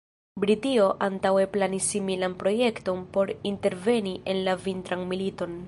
Britio antaŭe planis similan projekton por interveni en la Vintran Militon.